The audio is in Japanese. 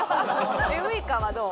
ウイカはどう？